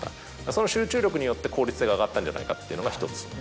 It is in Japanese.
その集中力によって効率が上がったんじゃないかっていうのが１つ。